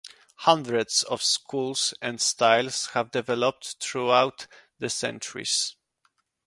Hundreds of schools and styles have developed throughout the centuries.